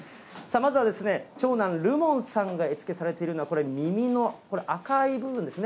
まずは長男、瑠門さんが絵付けされているのは、これ、耳の赤い部分ですね。